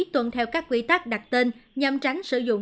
tuân theo các quy tắc đặt tên nhằm tránh sử dụng